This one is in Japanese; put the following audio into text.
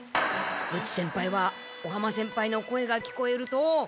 久々知先輩は尾浜先輩の声が聞こえると。